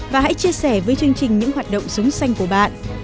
và hãy chia sẻ với chương trình những hoạt động sống xanh của bạn